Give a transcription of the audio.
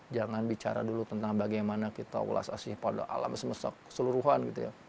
jangan bicara dulu tentang bagaimana kita ulas asli pada alam semesta keseluruhan